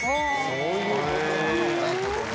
そういうことなのね。